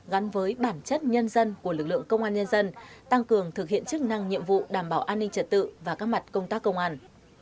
gắn với bản chất nhân dân của lực lượng công an nhân dân tăng cường thực hiện chức năng nhiệm vụ đảm bảo an ninh trật tự và các mặt công tác công an